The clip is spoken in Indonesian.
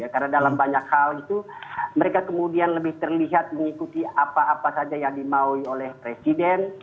karena dalam banyak hal itu mereka kemudian lebih terlihat mengikuti apa apa saja yang dimaui oleh presiden